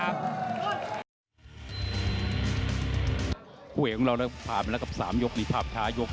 กลุ่ยของเราก็ผ่านไปแล้วกับ๓ยกนี้ภาพท้ายก๓